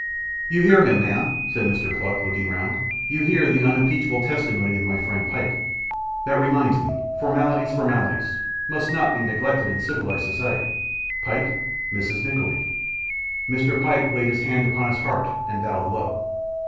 'You hear him, ma'am?' said Mr. Pluck, looking round; 'you hear the unimpeachable testimony of my friend Pyke that reminds me, formalities, formalities, must not be neglected in civilised society. Pyke Mrs. Nickleby.' Mr. Pyke laid his hand upon his heart, and bowed low.